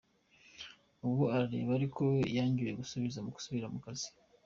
Ubu arareba ariko yangiwe gusubira mu kazi.